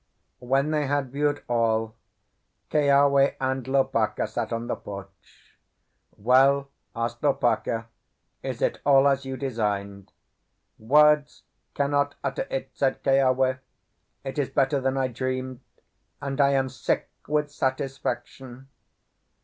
When they had viewed all, Keawe and Lopaka sat on the porch. "Well," asked Lopaka, "is it all as you designed?" "Words cannot utter it," said Keawe. "It is better than I dreamed, and I am sick with satisfaction."